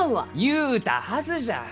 言うたはずじゃ！